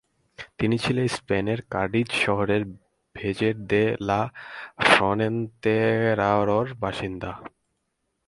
তিনি ছিলেন স্পেনের কাডিজ শহরের ভেজের দে লা ফ্রন্তেরারর বাসিন্দা।